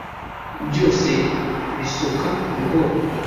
byose bisuka buhoro